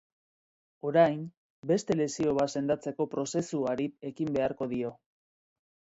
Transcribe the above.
Orain, beste lesio bat sendatzeko prozesuari ekin beharko dio.